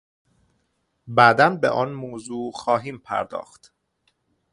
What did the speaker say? بعدا به آن موضوع خواهیم پرداخت.